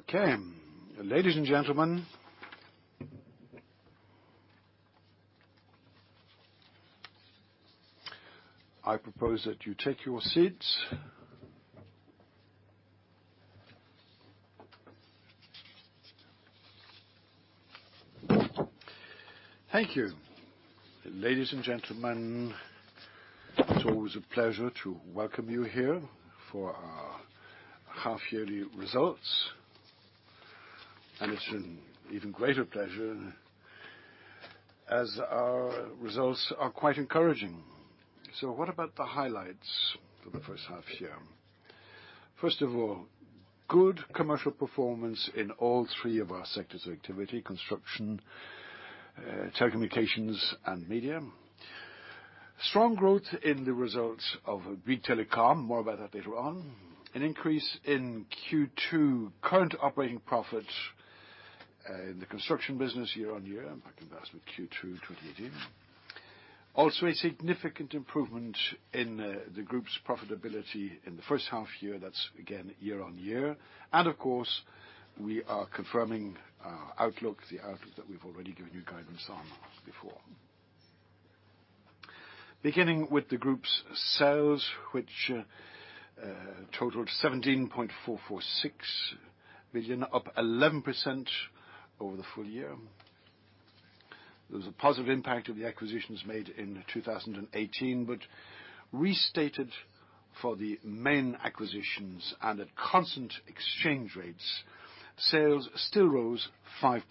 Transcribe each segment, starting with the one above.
Okay. Ladies and gentlemen, I propose that you take your seats. Thank you. Ladies and gentlemen, it's always a pleasure to welcome you here for our half-yearly results, and it's an even greater pleasure as our results are quite encouraging. What about the highlights for the first half year? First of all, good commercial performance in all three of our sectors of activity: construction, telecommunications, and media. Strong growth in the results of Bouygues Telecom. More about that later on. An increase in Q2 current operating profit in the construction business year-on-year, by comparison with Q2 2018. A significant improvement in the group's profitability in the first half year. That's, again, year-on-year. Of course, we are confirming our outlook, the outlook that we've already given you guidance on before. Beginning with the group's sales, which totaled €17.446 billion, up 11% over the full year. There was a positive impact of the acquisitions made in 2018, but restated for the main acquisitions and at constant exchange rates, sales still rose 5%.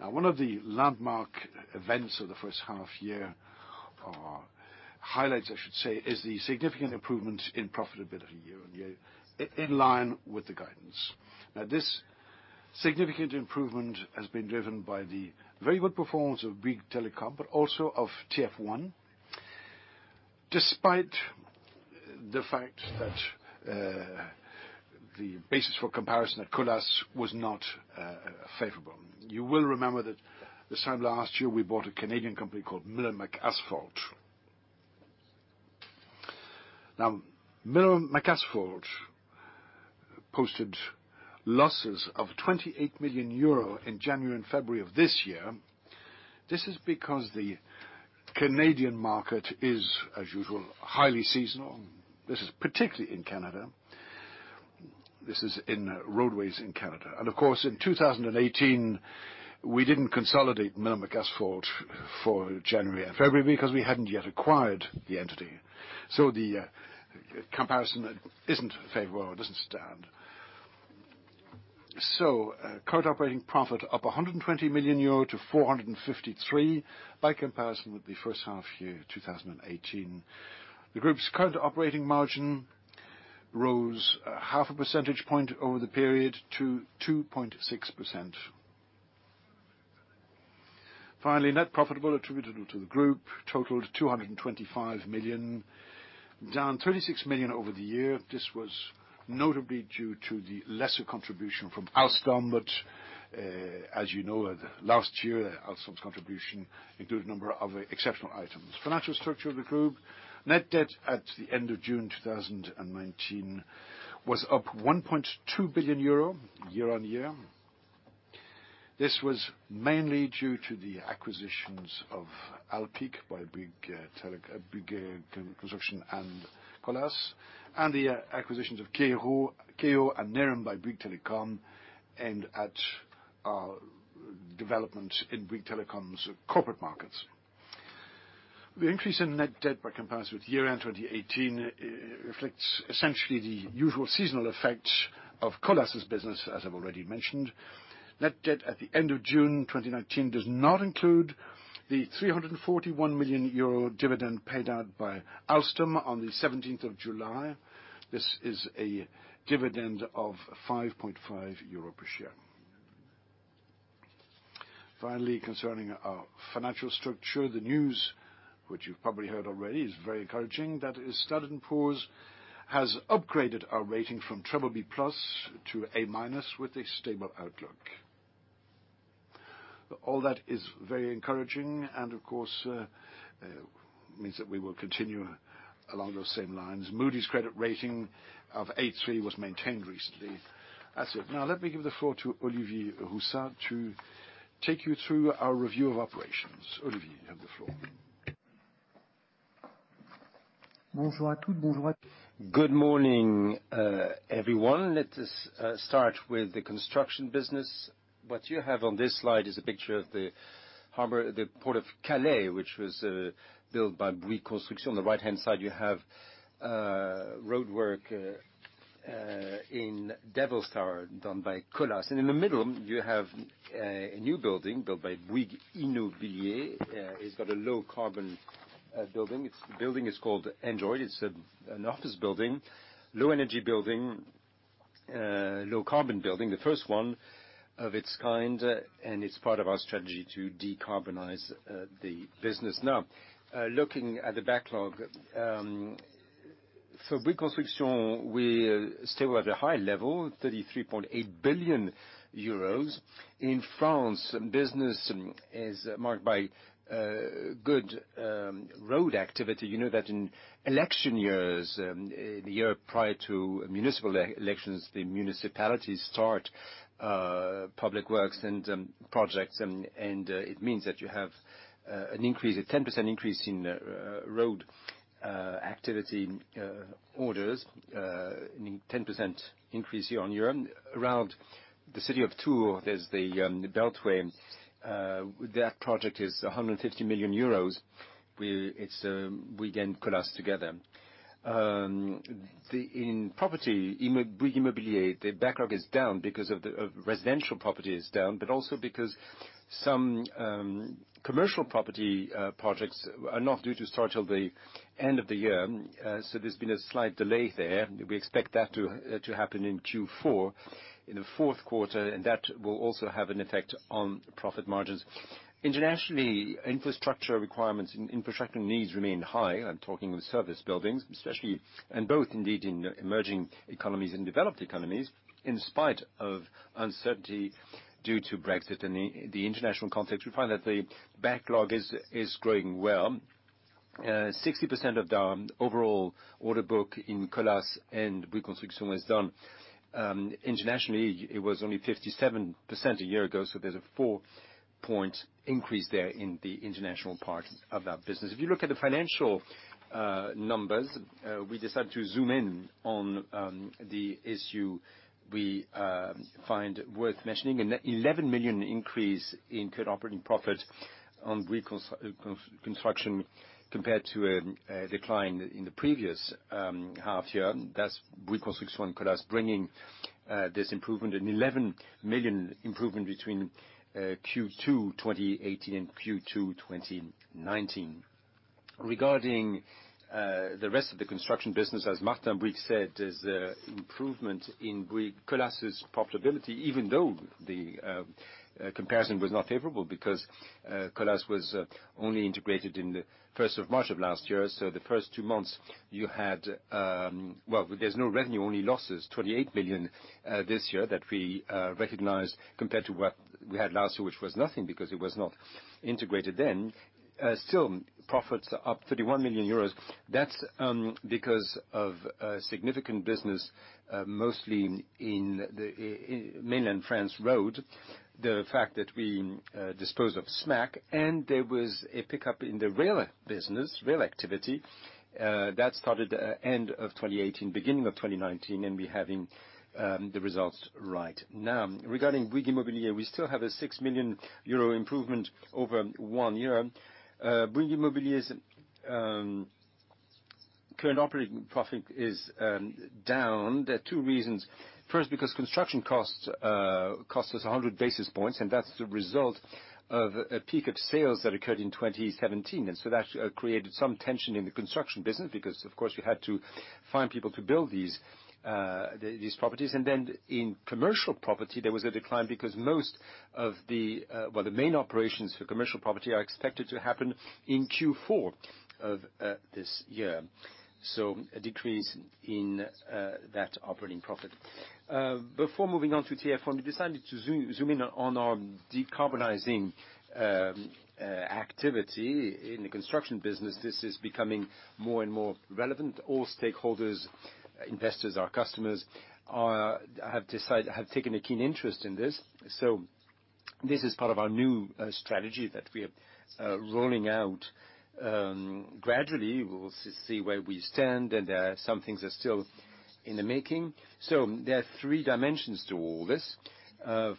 Now, one of the landmark events of the first half year, or highlights I should say, is the significant improvement in profitability year-on-year, in line with the guidance. Now, this significant improvement has been driven by the very good performance of Bouygues Telecom, but also of TF1, despite the fact that the basis for comparison at Colas was not favorable. You will remember that this time last year, we bought a Canadian company called Miller McAsphalt. Now, Miller McAsphalt posted losses of €28 million in January and February of this year. This is because the Canadian market is, as usual, highly seasonal. This is particularly in Canada. This is in roadways in Canada. Of course, in 2018, we didn't consolidate Miller McAsphalt for January and February because we hadn't yet acquired the entity. The comparison isn't favorable or doesn't stand. Current operating profit up 120 million euro to 453, by comparison with the first half-year 2018. The group's current operating margin rose half a percentage point over the period to 2.6%. Finally, net profit attributable to the group totaled 225 million, down 36 million over the year. This was notably due to the lesser contribution from Alstom. As you know, last year, Alstom's contribution included a number of exceptional items. Financial structure of the group. Net debt at the end of June 2019 was up 1.2 billion euro year-on-year. This was mainly due to the acquisitions of Alpiq by Bouygues Construction and Colas, and the acquisitions of Keyyo and Nerim by Bouygues Telecom, and at our development in Bouygues Telecom's corporate markets. The increase in net debt by comparison with year-end 2018 reflects essentially the usual seasonal effect of Colas' business, as I've already mentioned. Net debt at the end of June 2019 does not include the 341 million euro dividend paid out by Alstom on the 17th of July. This is a dividend of 5.5 euro per share. Finally, concerning our financial structure, the news, which you've probably heard already, is very encouraging. That is Standard & Poor's has upgraded our rating from BBB+ to A- with a stable outlook. All that is very encouraging and of course, means that we will continue along those same lines. Moody's credit rating of A3 was maintained recently. That's it. Let me give the floor to Olivier Roussat to take you through our review of operations. Olivier, you have the floor. Good morning, everyone. Let us start with the construction business. What you have on this slide is a picture of the port of Calais, which was built by Bouygues Construction. On the right-hand side, you have roadwork in Devil's Tower done by Colas. In the middle, you have a new building built by Bouygues Immobilier. It's got a low carbon building. Building is called Android. It's an office building, low energy building, low carbon building. The first one of its kind, it's part of our strategy to decarbonize the business. Looking at the backlog for Bouygues Construction, we're still at a high level, 33.8 billion euros. In France, business is marked by good road activity. You know that in election years, the year prior to municipal elections, the municipalities start public works and projects. It means that you have a 10% increase in road activity orders, a 10% increase year on year. Around the city of Tours, there's the beltway. That project is 150 million euros. We, again, Colas together. In property, Bouygues Immobilier, the backlog is down because residential property is down, but also because some commercial property projects are not due to start till the end of the year. There's been a slight delay there. We expect that to happen in Q4, in the fourth quarter, and that will also have an effect on profit margins. Internationally, infrastructure requirements and infrastructure needs remain high. I'm talking of service buildings, especially, and both indeed in emerging economies and developed economies. In spite of uncertainty due to Brexit in the international context, we find that the backlog is growing well. 60% of our overall order book in Colas and Bouygues Construction was done. Internationally, it was only 57% a year ago, so there's a four-point increase there in the international part of our business. If you look at the financial numbers, we decided to zoom in on the issue we find worth mentioning. An 11 million increase in current operating profit on Bouygues Construction compared to a decline in the previous half year. That's Bouygues Construction and Colas bringing this improvement, an 11 million improvement between Q2 2018 and Q2 2019. Regarding the rest of the construction business, as Martin Bouygues said, there's improvement in Colas' profitability, even though the comparison was not favorable because Colas was only integrated in the 1st of March of last year. The first two months, well, there's no revenue, only losses, 28 million this year that we recognized compared to what we had last year, which was nothing because it was not integrated then. Still, profits are up 31 million euros. That's because of significant business, mostly in mainland France road. The fact that we disposed of SMAC and there was a pickup in the rail business, rail activity. That started end of 2018, beginning of 2019, and we're having the results right now. Regarding Bouygues Immobilier, we still have a 6 million euro improvement over one year. Bouygues Immobilier's current operating profit is down. There are two reasons. First, because construction cost us 100 basis points, and that's the result of a peak of sales that occurred in 2017. That created some tension in the construction business because, of course, we had to find people to build these properties. In commercial property, there was a decline because most of the main operations for commercial property are expected to happen in Q4 of this year. A decrease in that operating profit. Before moving on to TF1, we decided to zoom in on our decarbonizing activity in the construction business. This is becoming more and more relevant. All stakeholders, investors, our customers, have taken a keen interest in this. This is part of our new strategy that we are rolling out gradually. We'll see where we stand, and some things are still in the making. There are three dimensions to all this.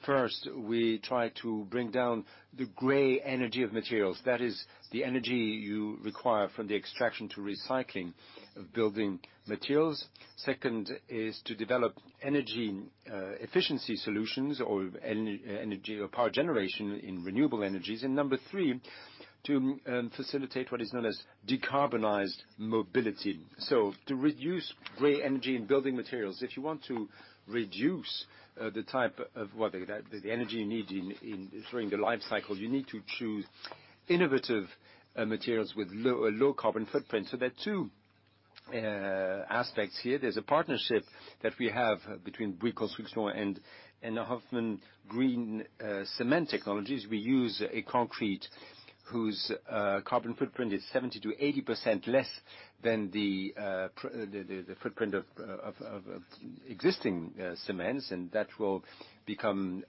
First, we try to bring down the gray energy of materials. That is the energy you require from the extraction to recycling of building materials. Second is to develop energy efficiency solutions or energy power generation in renewable energies. Number three, to facilitate what is known as decarbonized mobility. To reduce gray energy in building materials, if you want to reduce the type of the energy you need during the life cycle, you need to choose innovative materials with a low carbon footprint. There are two aspects here. There's a partnership that we have between Bouygues Construction and Hoffmann Green Cement Technologies. We use a concrete whose carbon footprint is 70%-80% less than the footprint of existing cements, and that will become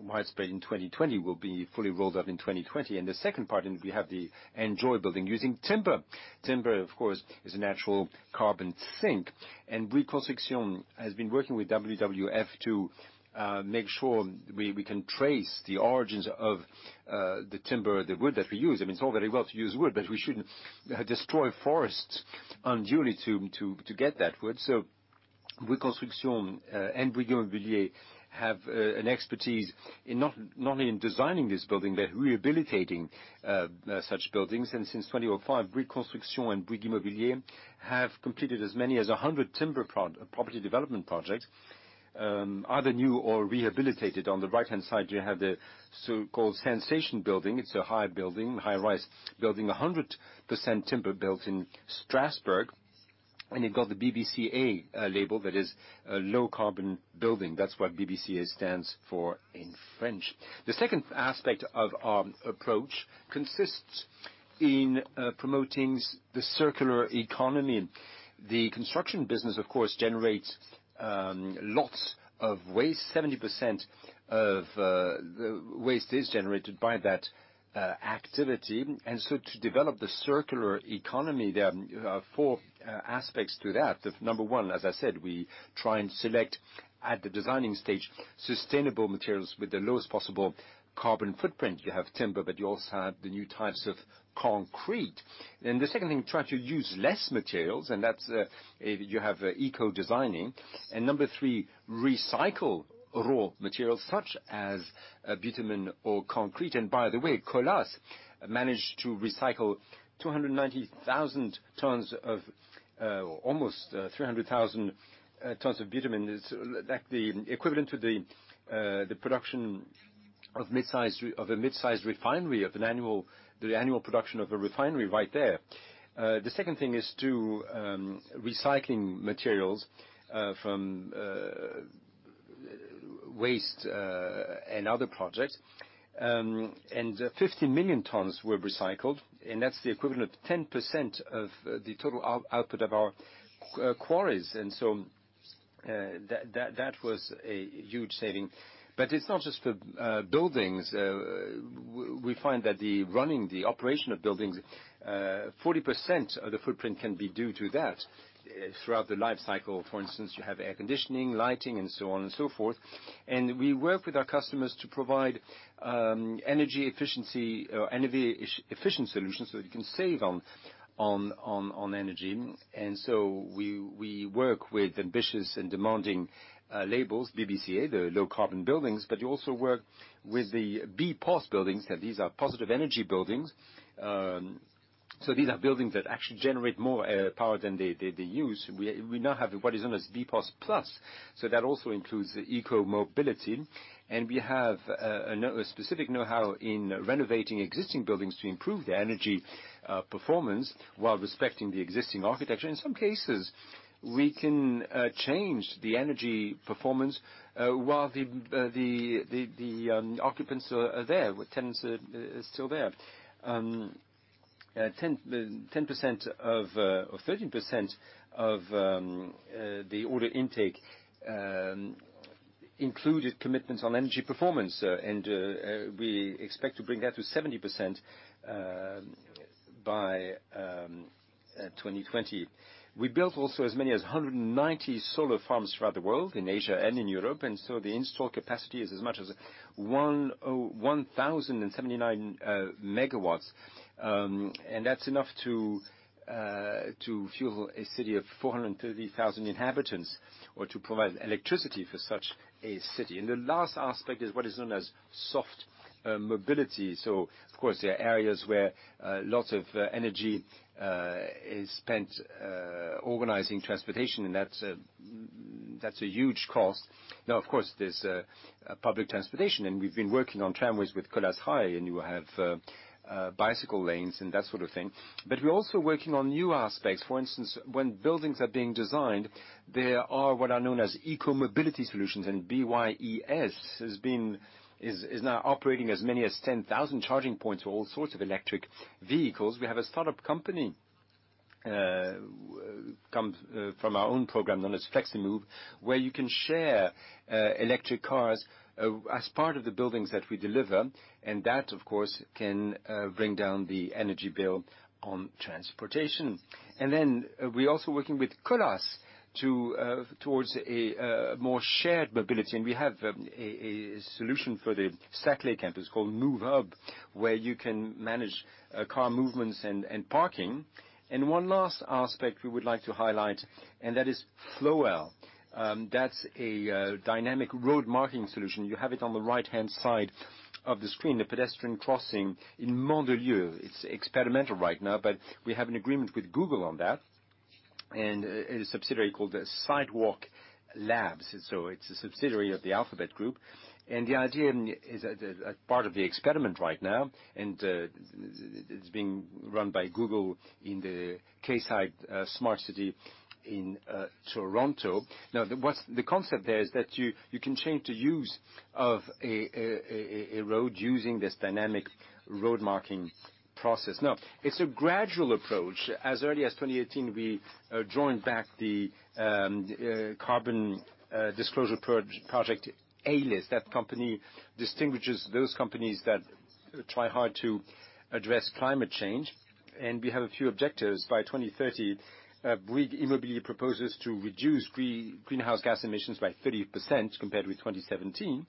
widespread in 2020, will be fully rolled out in 2020. The second part, and we have the ENJOY building using timber. Timber, of course, is a natural carbon sink, and Bouygues Construction has been working with WWF to make sure we can trace the origins of the timber, the wood that we use. I mean, it's all very well to use wood, but we shouldn't destroy forests unduly to get that wood. Bouygues Construction and Bouygues Immobilier have an expertise not only in designing this building, but rehabilitating such buildings. Since 2005, Bouygues Construction and Bouygues Immobilier have completed as many as 100 timber property development projects, either new or rehabilitated. On the right-hand side, you have the so-called Sensation building. It's a high building, high-rise building, 100% timber built in Strasbourg. You've got the BBCA label that is a low carbon building. That's what BBCA stands for in French. The second aspect of our approach consists in promoting the circular economy. The construction business, of course, generates lots of waste. 70% of the waste is generated by that activity. To develop the circular economy, there are four aspects to that. Number one, as I said, we try and select at the designing stage, sustainable materials with the lowest possible carbon footprint. You have timber, you also have the new types of concrete. The second thing, try to use less materials, and that's you have eco-designing. Number three, recycle raw materials such as bitumen or concrete. By the way, Colas managed to recycle 290,000 tons of, almost 300,000 tons of bitumen. It's equivalent to the production of a mid-sized refinery, of the annual production of a refinery right there. The second thing is to recycling materials from waste and other projects. 50 million tons were recycled, and that's the equivalent of 10% of the total output of our quarries. That was a huge saving. It's not just for buildings. We find that the running, the operation of buildings, 40% of the footprint can be due to that throughout the life cycle. For instance, you have air conditioning, lighting, and so on and so forth. We work with our customers to provide energy efficient solutions so that you can save on energy. We work with ambitious and demanding labels, BBCA, the low carbon buildings, but you also work with the BEPOS buildings. These are positive energy buildings. These are buildings that actually generate more power than they use. We now have what is known as BEPOS+, so that also includes the eco mobility. We have a specific knowhow in renovating existing buildings to improve their energy performance while respecting the existing architecture. In some cases, we can change the energy performance while the occupants are there, with tenants still there. 30% of the order intake included commitments on energy performance, and we expect to bring that to 70% by 2020. We built also as many as 190 solar farms throughout the world, in Asia and in Europe. The install capacity is as much as 1,079 megawatts. That's enough to fuel a city of 430,000 inhabitants or to provide electricity for such a city. The last aspect is what is known as soft mobility. Of course, there are areas where lots of energy is spent organizing transportation, and that's a huge cost. Now, of course, there's public transportation, and we've been working on tramways with Colas Rail, and you have bicycle lanes and that sort of thing. We're also working on new aspects. For instance, when buildings are being designed, there are what are known as eco mobility solutions, and BYES is now operating as many as 10,000 charging points for all sorts of electric vehicles. We have a startup company from our own program known as Fleximove, where you can share electric cars as part of the buildings that we deliver. That, of course, can bring down the energy bill on transportation. We're also working with Colas towards a more shared mobility, and we have a solution for the Saclay campus called Moov'hub, where you can manage car movements and parking. One last aspect we would like to highlight, and that is Flowell. That's a dynamic road marking solution. You have it on the right-hand side of the screen, the pedestrian crossing in Mandelieu. It's experimental right now, we have an agreement with Google on that and a subsidiary called Sidewalk Labs. It's a subsidiary of the Alphabet Group. The idea is a part of the experiment right now, and it's being run by Google in the Quayside smart city in Toronto. The concept there is that you can change the use of a road using this dynamic road marking process. It's a gradual approach. As early as 2018, we joined back the Carbon Disclosure Project A List. That company distinguishes those companies that try hard to address climate change. We have a few objectives. By 2030, Bouygues Immobilier proposes to reduce greenhouse gas emissions by 30% compared with 2017.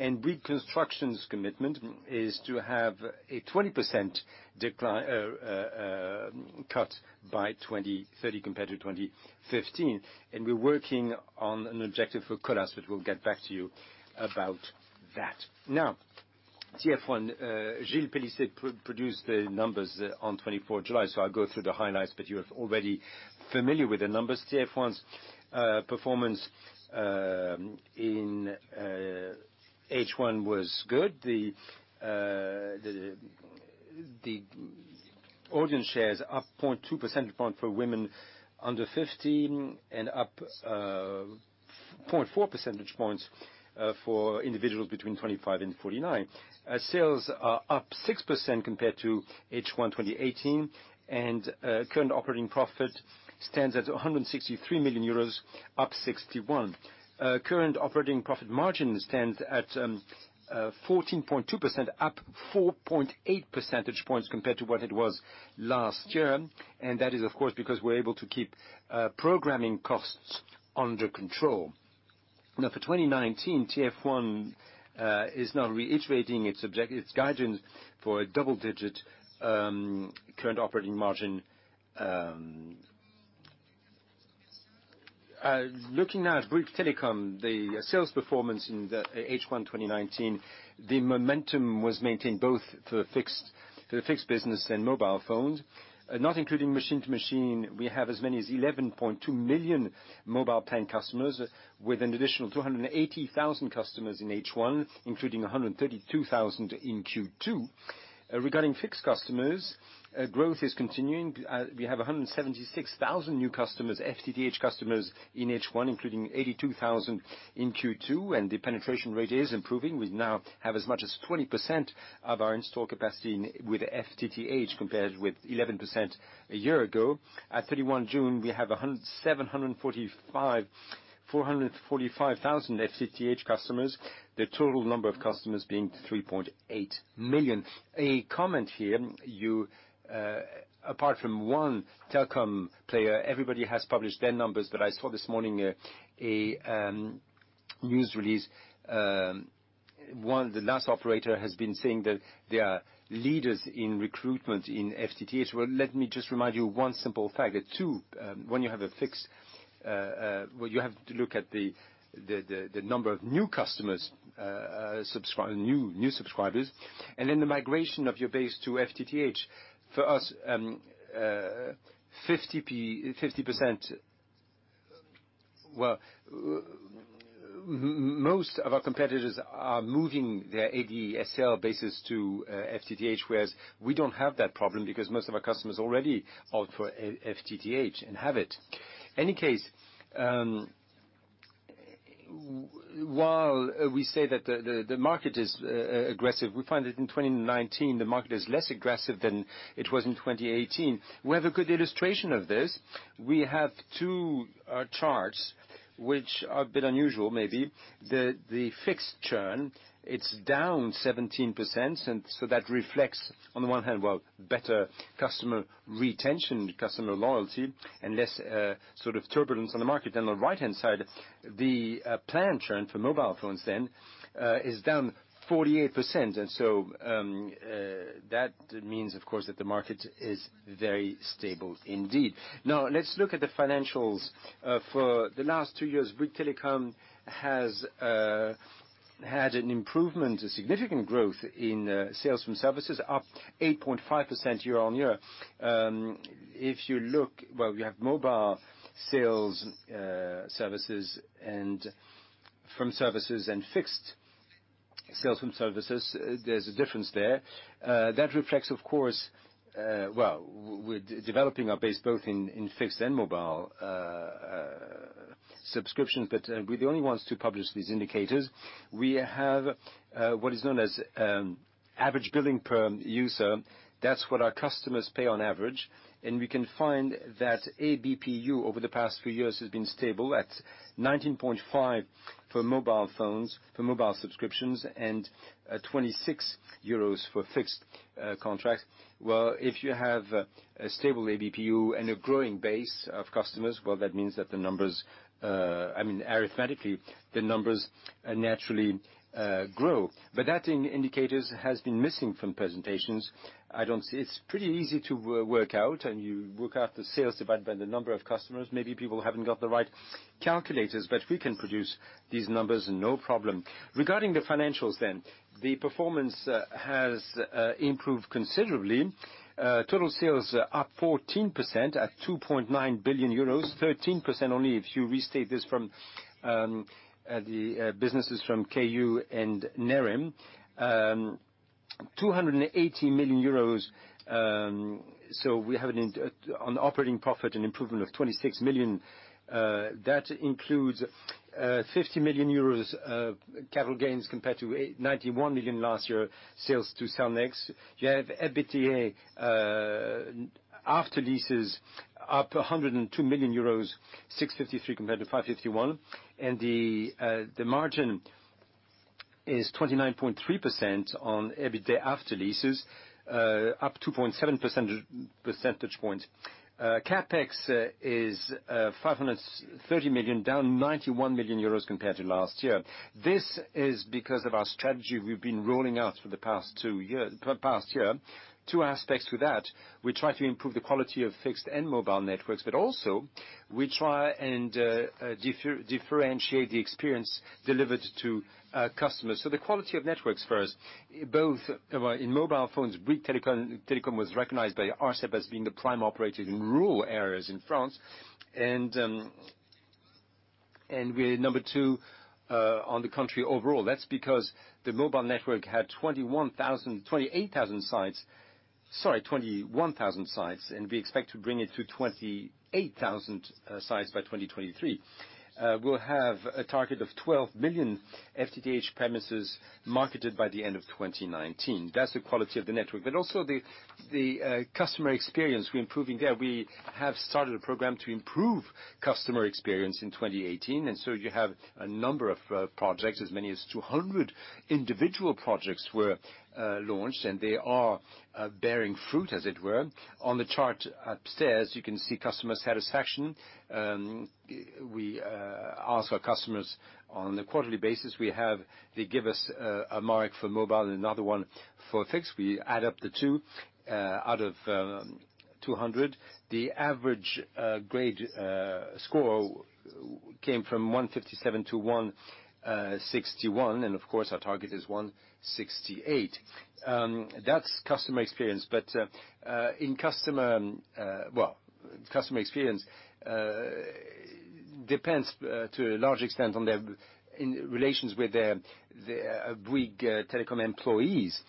Bouygues Construction's commitment is to have a 20% cut by 2030 compared to 2015. We're working on an objective for Colas, but we'll get back to you about that. TF1, Gilles Pélisson produced the numbers on 24 July, I'll go through the highlights, but you are already familiar with the numbers. TF1's performance in H1 was good. The audience share's up 0.2 percentage point for women under 15 and up 0.4 percentage points for individuals between 25 and 49. Sales are up 6% compared to H1 2018, and current operating profit stands at 163 million euros, up 61%. Current operating profit margin stands at 14.2%, up 4.8 percentage points compared to what it was last year, and that is of course because we're able to keep programming costs under control. Now for 2019, TF1 is now reiterating its guidance for a double-digit current operating margin. Looking now at Bouygues Telecom, the sales performance in H1 2019, the momentum was maintained both for the fixed business and mobile phones. Not including machine-to-machine, we have as many as 11.2 million mobile paying customers, with an additional 280,000 customers in H1, including 132,000 in Q2. Regarding fixed customers, growth is continuing. We have 176,000 new customers, FTTH customers in H1, including 82,000 in Q2, and the penetration rate is improving. We now have as much as 20% of our install capacity with FTTH compared with 11% a year ago. At 31 June, we have 745,000 FTTH customers, the total number of customers being 3.8 million. A comment here. Apart from one telecom player, everybody has published their numbers, but I saw this morning a news release. The last operator has been saying that they are leaders in recruitment in FTTH. Well, let me just remind you one simple fact. When you have a fixed, you have to look at the number of new customers, new subscribers, and then the migration of your base to FTTH. For us, well, most of our competitors are moving their ADSL bases to FTTH, whereas we don't have that problem because most of our customers already opt for FTTH and have it. Any case, while we say that the market is aggressive, we find that in 2019, the market is less aggressive than it was in 2018. We have a good illustration of this. We have two charts, which are a bit unusual maybe. The fixed churn, it's down 17%, that reflects, on the one hand, well, better customer retention, customer loyalty, and less turbulence on the market. On the right-hand side, the plan churn for mobile phones then is down 48%, that means, of course, that the market is very stable indeed. Let's look at the financials. For the last two years, Bouygues Telecom has had an improvement, a significant growth in sales from services, up 8.5% year-on-year. If you look, well, we have mobile sales from services and fixed sales from services. There's a difference there. That reflects, of course, well, we're developing our base both in fixed and mobile subscriptions. We're the only ones to publish these indicators. We have what is known as average billing per user. That's what our customers pay on average. We can find that ABPU over the past few years has been stable at 19.5 for mobile phones, for mobile subscriptions, and 26 euros for fixed contracts. Well, if you have a stable ABPU and a growing base of customers, well, that means that the numbers, arithmetically, the numbers naturally grow. That indicator has been missing from presentations. It's pretty easy to work out. You work out the sales divided by the number of customers. Maybe people haven't got the right calculators. We can produce these numbers, no problem. Regarding the financials, the performance has improved considerably. Total sales are up 14% at 2.9 billion euros, 13% only if you restate this from the businesses from KU and Nérim. EUR 280 million. We have on operating profit an improvement of 26 million. That includes 50 million euros of capital gains compared to 91 million last year, sales to Cellnex. You have EBITDA after leases up 102 million euros, 653 compared to 551. The margin is 29.3% on EBITDA after leases, up 2.7 percentage points. CapEx is 530 million, down 91 million euros compared to last year. This is because of our strategy we've been rolling out for the past year. Two aspects to that. We try to improve the quality of fixed and mobile networks, but also we try and differentiate the experience delivered to customers. The quality of networks first, both in mobile phones. Bouygues Telecom was recognized by ARCEP as being the prime operator in rural areas in France. We're number 2 on the country overall. That's because the mobile network had 28,000 sites, sorry, 21,000 sites. We expect to bring it to 28,000 sites by 2023. We'll have a target of 12 million FTTH premises marketed by the end of 2019. That's the quality of the network. Also the customer experience, we're improving there. We have started a program to improve customer experience in 2018. You have a number of projects. As many as 200 individual projects were launched. They are bearing fruit, as it were. On the chart upstairs, you can see customer satisfaction. We ask our customers on a quarterly basis. They give us a mark for mobile and another one for fixed. We add up the two out of 200. The average grade score came from 157 to 161. Of course, our target is 168. That's customer experience. Customer experience depends to a large extent on their relations with their Bouygues Telecom employees.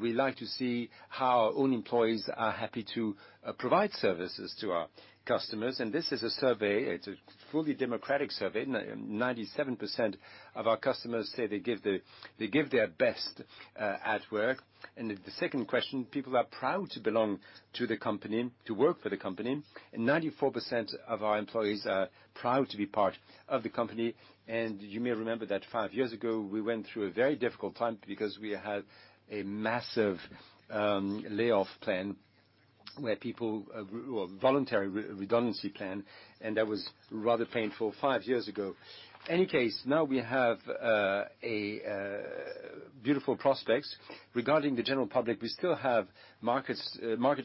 We like to see how our own employees are happy to provide services to our customers, and this is a survey, it's a fully democratic survey. 97% of our customers say they give their best at work. The second question, people are proud to belong to the company, to work for the company. 94% of our employees are proud to be part of the company. You may remember that five years ago, we went through a very difficult time because we had a massive layoff plan, voluntary redundancy plan, and that was rather painful five years ago. Any case, now we have beautiful prospects. Regarding the general public, we still have market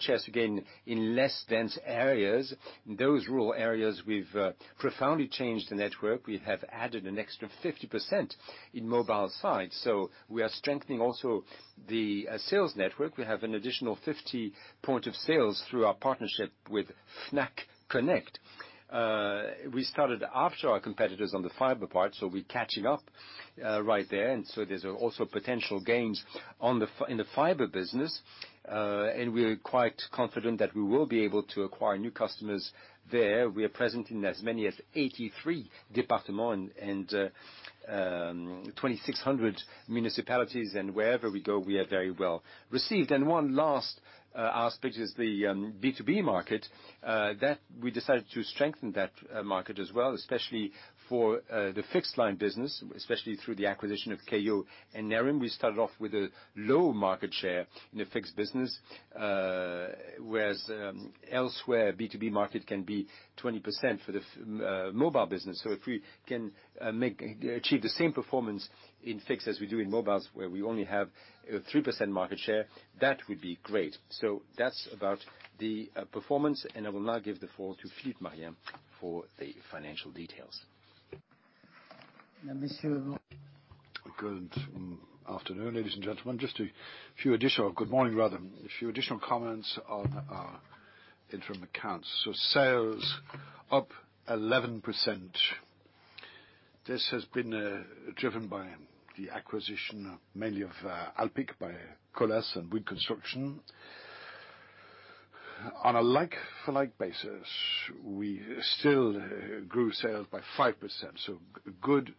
shares, again, in less dense areas. In those rural areas, we've profoundly changed the network. We have added an extra 50% in mobile sites. We are strengthening also the sales network. We have an additional 50 point of sales through our partnership with Fnac Connect. We started after our competitors on the fiber part, so we're catching up right there. There's also potential gains in the fiber business. We're quite confident that we will be able to acquire new customers there. We are present in as many as 83 departments and 2,600 municipalities. Wherever we go, we are very well received. One last aspect is the B2B market. We decided to strengthen that market as well, especially for the fixed-line business, especially through the acquisition of Keyyo and Nerim. We started off with a low market share in the fixed business, whereas elsewhere, B2B market can be 20% for the mobile business. If we can achieve the same performance in fixed as we do in mobile, where we only have 3% market share, that would be great. That's about the performance, I will now give the floor to Philippe Marien for the financial details. Good afternoon, ladies and gentlemen. Good morning, rather. A few additional comments on our interim accounts. Sales up 11%. This has been driven by the acquisition mainly of Alpiq by Colas and Bouygues Construction. On a like-for-like basis, we still grew sales by 5%, good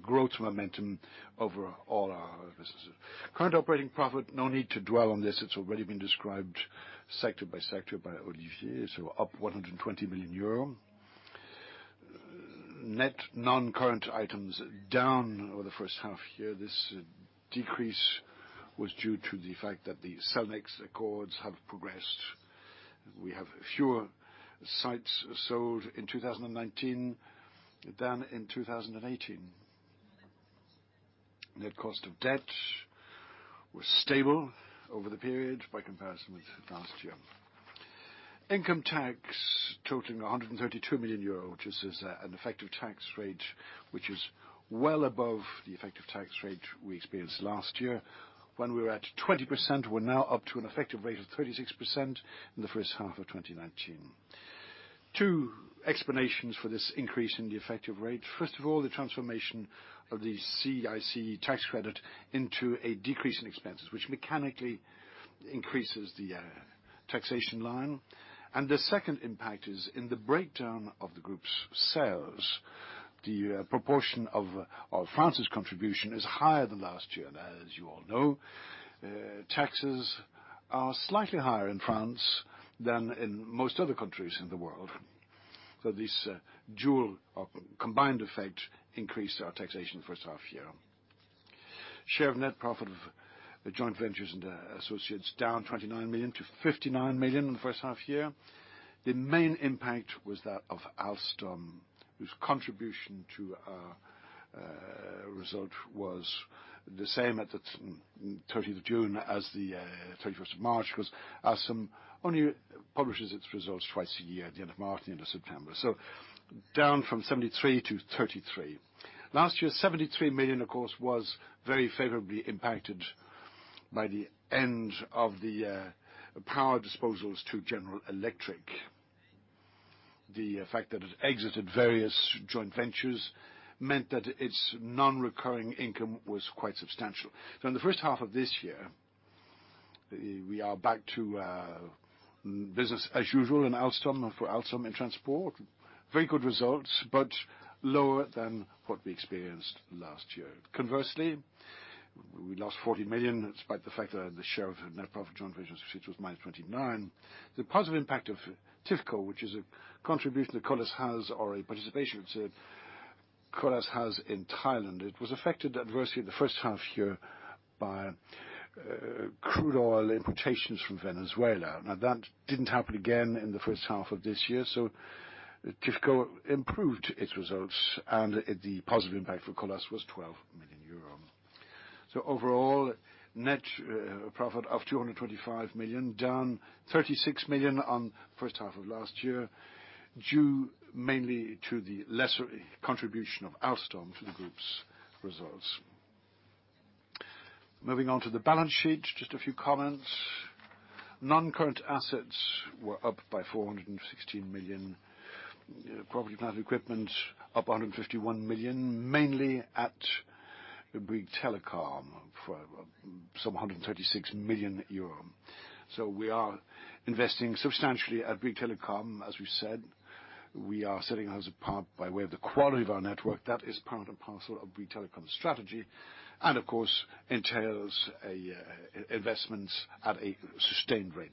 growth momentum over all our businesses. Current operating profit, no need to dwell on this. It's already been described sector by sector by Olivier. Up 120 million euro. Net non-current items down over the first half year. This decrease was due to the fact that the Cellnex accords have progressed. We have fewer sites sold in 2019 than in 2018. Net cost of debt was stable over the period by comparison with last year. Income tax totaling 132 million euro, which is an effective tax rate, which is well above the effective tax rate we experienced last year when we were at 20%. We're now up to an effective rate of 36% in the first half of 2019. Two explanations for this increase in the effective rate. First of all, the transformation of the CICE tax credit into a decrease in expenses, which mechanically increases the taxation line. The second impact is in the breakdown of the group's sales. The proportion of France's contribution is higher than last year. As you all know, taxes are slightly higher in France than in most other countries in the world. This dual or combined effect increased our taxation the first half year. Share of net profit of the joint ventures into associates down 29 million to 59 million in the first half year. The main impact was that of Alstom, whose contribution to our result was the same at the 30th of June as the 31st of March, because Alstom only publishes its results twice a year at the end of March and the end of September. Down from 73 to 33. Last year, 73 million, of course, was very favorably impacted by the end of the power disposals to General Electric, the fact that it exited various joint ventures meant that its non-recurring income was quite substantial. So in the first half of this year, we are back to business as usual for Alstom in transport. Very good results, but lower than what we experienced last year. Conversely, we lost 40 million despite the fact that the share of net profit joint venture was minus 29. The positive impact of Tipco, which is a contribution that Colas has, or a participation that Colas has in Thailand, it was affected adversely the first half year by crude oil importations from Venezuela. That didn't happen again in the first half of this year, Tipco improved its results, and the positive impact for Colas was €12 million. Overall, net profit of 225 million, down 36 million on first half of last year, due mainly to the lesser contribution of Alstom to the group's results. Moving on to the balance sheet, just a few comments. Non-current assets were up by 416 million. Property, plant, and equipment up 151 million, mainly at the Bouygues Telecom for some €136 million. We are investing substantially at Bouygues Telecom, as we said. We are setting ourselves apart by way of the quality of our network. That is part and parcel of Bouygues Telecom strategy, and of course, entails investments at a sustained rate.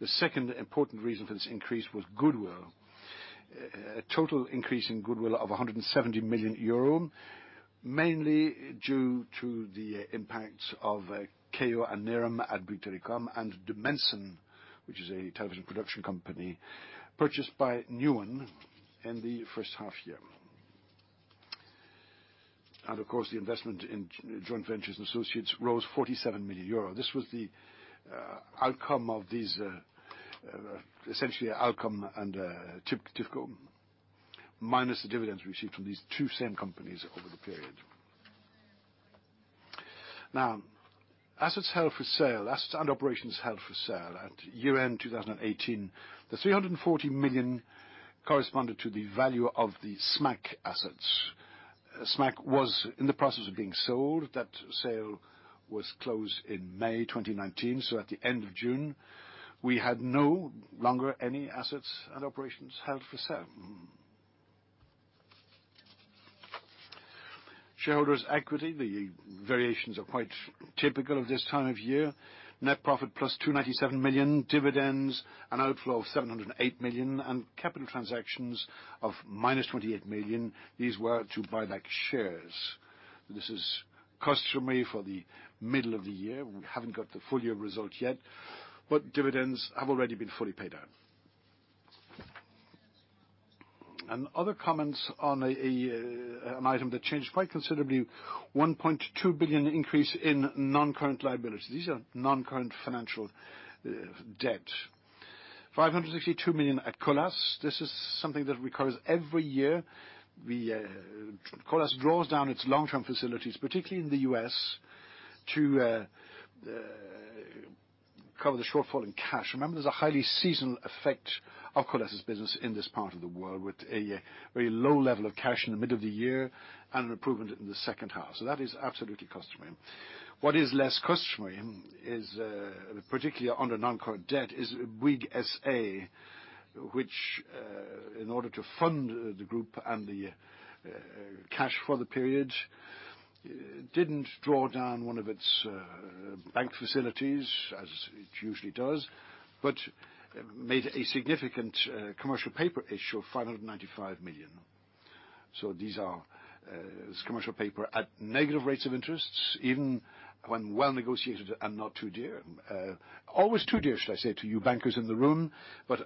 The second important reason for this increase was goodwill. A total increase in goodwill of 170 million euro, mainly due to the impact of Keyyo and Nerim at Bouygues Telecom, and De Mensen, which is a television production company purchased by Newen in the first half year. Of course, the investment in joint ventures and associates rose 47 million euro. This was the essentially outcome under Tipco, minus the dividends received from these two same companies over the period. Now, assets held for sale, and operations held for sale at year-end 2018. The 340 million corresponded to the value of the SMAC assets. SMAC was in the process of being sold. That sale was closed in May 2019. At the end of June, we had no longer any assets and operations held for sale. Shareholders' equity, the variations are quite typical of this time of year. Net profit plus 297 million, dividends, an outflow of 708 million, and capital transactions of minus 28 million. These were to buy back shares. This is customary for the middle of the year. We haven't got the full year results yet, but dividends have already been fully paid out. Other comments on an item that changed quite considerably, 1.2 billion increase in non-current liabilities. These are non-current financial debt, 562 million at Colas. This is something that recurs every year. Colas draws down its long-term facilities, particularly in the U.S., to cover the shortfall in cash. Remember, there's a highly seasonal effect of Colas' business in this part of the world, with a very low level of cash in the middle of the year, and an improvement in the second half. That is absolutely customary. What is less customary, particularly under non-current debt, is Bouygues SA, which in order to fund the group and the cash for the period, didn't draw down one of its bank facilities as it usually does, but made a significant commercial paper issue of 595 million. These are commercial paper at negative rates of interest, even when well negotiated and not too dear. Always too dear, should I say to you bankers in the room, but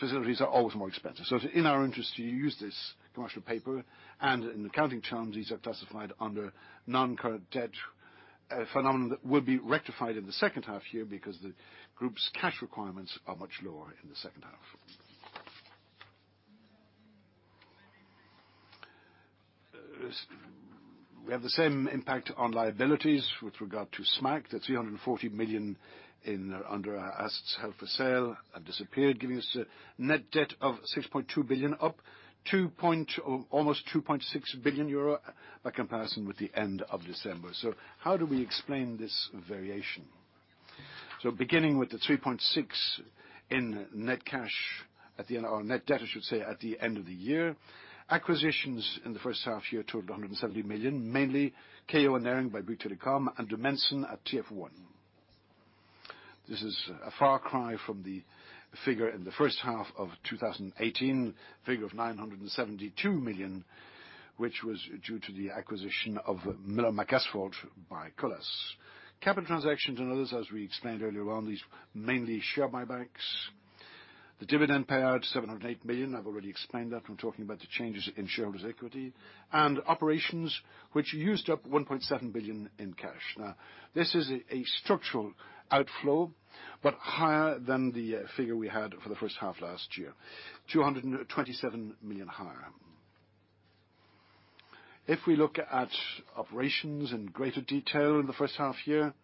facilities are always more expensive. It's in our interest to use this commercial paper, and in accounting terms, these are classified under non-current debt, a phenomenon that will be rectified in the second half year because the group's cash requirements are much lower in the second half. We have the same impact on liabilities with regard to SMAC. That's 340 million under our assets held for sale and disappeared, giving us a net debt of 6.2 billion, up almost 2.6 billion euro by comparison with the end of December. How do we explain this variation? Beginning with the 3.6 billion in net cash at the end, or net debt, I should say, at the end of the year. Acquisitions in the first half year totaled 170 million, mainly Keyyo and Nerim by Bouygues Telecom, and De Mensen at TF1. This is a far cry from the figure in the first half of 2018, figure of 972 million, which was due to the acquisition of Miller McAsphalt by Colas. Capital transactions and others, as we explained earlier on, these mainly share buybacks. The dividend payout, 708 million. I've already explained that when talking about the changes in shareholders' equity. Operations, which used up 1.7 billion in cash. This is a structural outflow, but higher than the figure we had for the first half last year, 227 million higher. If we look at operations in greater detail in the first half year,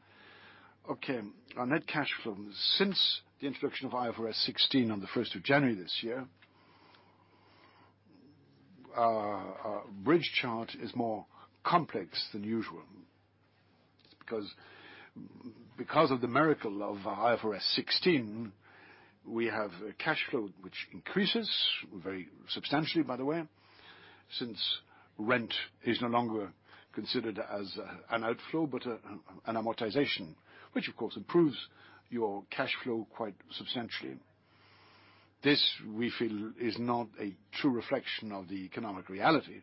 our net cash flow since the introduction of IFRS 16 on the 1st of January this year, our bridge chart is more complex than usual. Because of the miracle of IFRS 16, we have a cash flow which increases very substantially, by the way, since rent is no longer considered as an outflow but an amortization, which of course improves your cash flow quite substantially. This, we feel, is not a true reflection of the economic reality.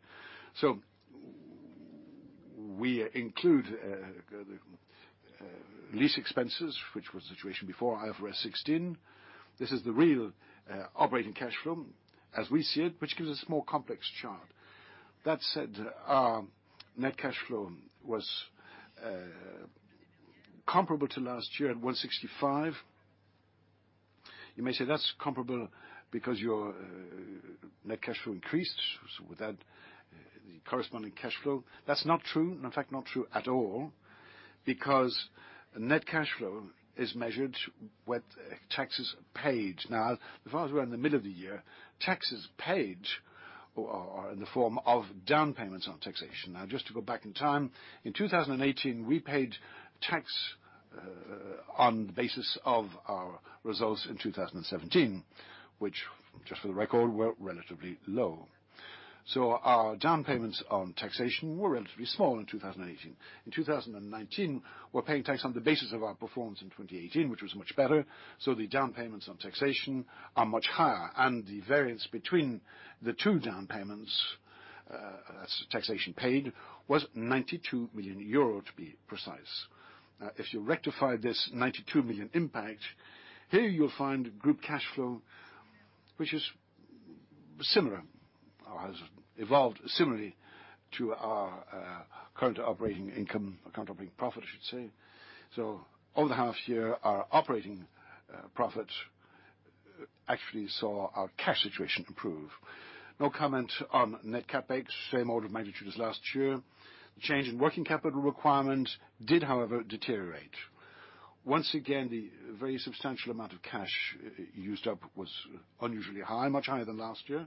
We include lease expenses, which was the situation before IFRS 16. This is the real operating cash flow as we see it, which gives us a more complex chart. That said, our net cash flow was comparable to last year at 165. You may say that is comparable because your net cash flow increased, so with that corresponding cash flow. That is not true, in fact, not true at all, because net cash flow is measured with taxes paid. The farther we're in the middle of the year, taxes paid are in the form of down payments on taxation. Just to go back in time, in 2018, we paid tax on the basis of our results in 2017, which just for the record, were relatively low. Our down payments on taxation were relatively small in 2018. In 2019, we're paying tax on the basis of our performance in 2018, which was much better, so the down payments on taxation are much higher, and the variance between the two down payments, that's taxation paid, was 92 million euro to be precise. If you rectify this 92 million impact, here you'll find group cash flow, which is similar or has evolved similarly to our current operating income or current operating profit, I should say. Over the half year, our operating profit actually saw our cash situation improve. No comment on net CapEx. Same order of magnitude as last year. The change in working capital requirement did, however, deteriorate. Once again, the very substantial amount of cash used up was unusually high, much higher than last year,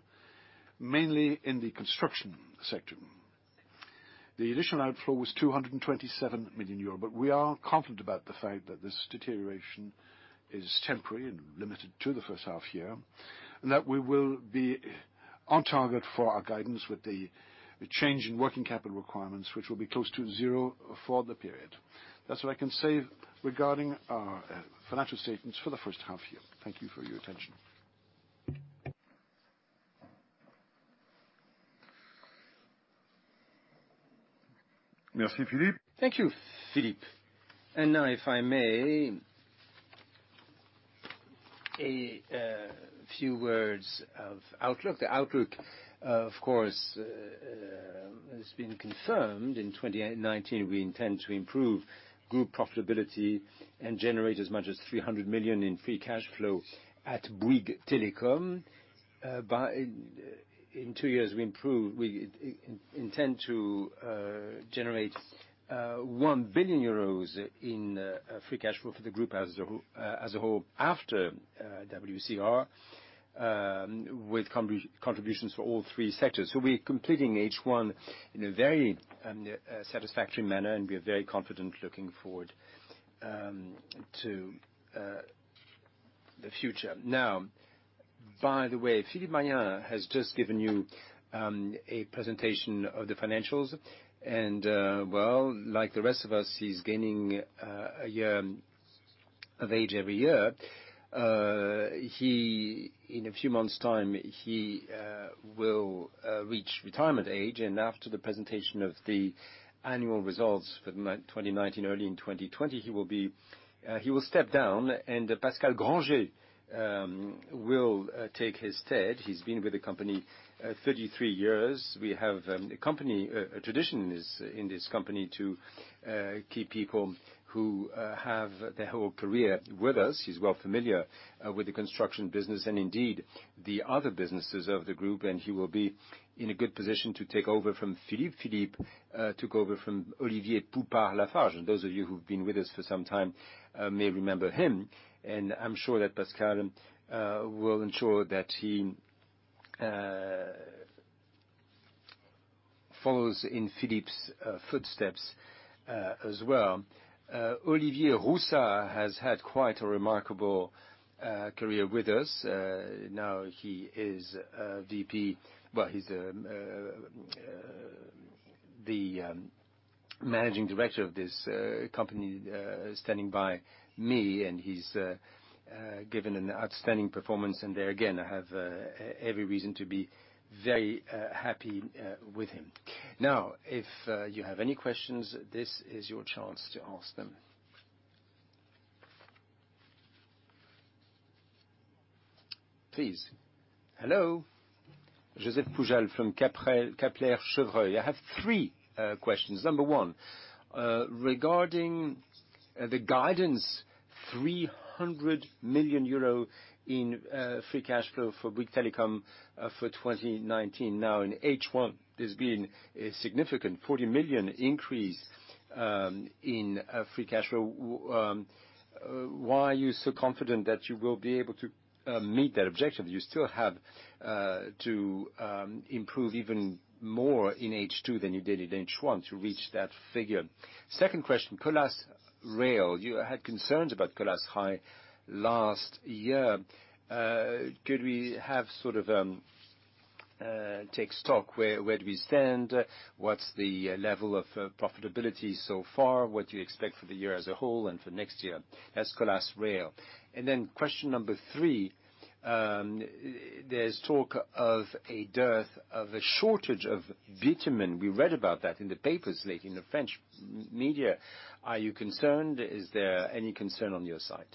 mainly in the construction sector. The additional outflow was 227 million euro, but we are confident about the fact that this deterioration is temporary and limited to the first half year, and that we will be on target for our guidance with the change in working capital requirements, which will be close to zero for the period. That's what I can say regarding our financial statements for the first half year. Thank you for your attention. Merci, Philippe. Thank you, Philippe. Now, if I may, a few words of outlook. The outlook, of course, has been confirmed. In 2019, we intend to improve group profitability and generate as much as 300 million in free cash flow at Bouygues Telecom. In two years, we intend to generate 1 billion euros in free cash flow for the group as a whole after WCR, with contributions for all three sectors. We're completing H1 in a very satisfactory manner, and we are very confident looking forward to the future. By the way, Philippe Marien has just given you a presentation of the financials. Well, like the rest of us, he's gaining a year of age every year. In a few months' time, he will reach retirement age, after the presentation of the annual results for 2019, early in 2020, he will step down. Pascal Grangé will take his stead. He's been with the company 33 years. We have a tradition in this company to keep people who have their whole career with us. He's well familiar with the construction business and indeed the other businesses of the group. He will be in a good position to take over from Philippe. Philippe took over from Olivier Poupart-Lafarge. Those of you who've been with us for some time may remember him. I'm sure that Pascal will ensure that he follows in Philippe's footsteps as well. Olivier Roussat has had quite a remarkable career with us. He is VP. Well, he's the managing director of this company standing by me, and he's given an outstanding performance. There again, I have every reason to be very happy with him. If you have any questions, this is your chance to ask them. Please. Hello. Josep Pujal from Kepler Cheuvreux. I have three questions. Number one, regarding the guidance300 million in free cash flow for Bouygues Telecom for 2019. In H1, there's been a significant 40 million increase in free cash flow. Why are you so confident that you will be able to meet that objective? You still have to improve even more in H2 than you did in H1 to reach that figure. Second question, Colas Rail. You had concerns about Colas Rail last year. Could we take stock, where do we stand? What's the level of profitability so far? What do you expect for the year as a whole and for next year as Colas Rail? Question 3, there's talk of a dearth, of a shortage of bitumen. We read about that in the papers lately, in the French media. Are you concerned? Is there any concern on your side?